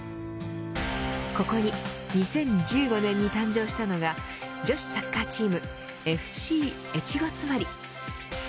ここに２０１５年に誕生したのが女子サッカーチームＦＣ越後妻有。